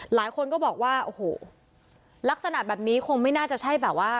หลายคนก็บอกว่าโอ้โหลักษณะแบบนี้คงไม่น่าจะใช่แบบว่า